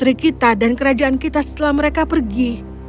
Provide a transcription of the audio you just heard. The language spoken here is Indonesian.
apa yang akan terjadi dengan kita dan kerajaan kita setelah mereka pergi